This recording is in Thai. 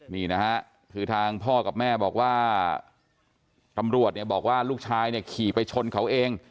นี่นะฮะคือทางพ่อกับแม่บอกว่าตำรวจเนี่ยบอกว่าลูกชายเนี่ยขี่ไปชนเขาเอง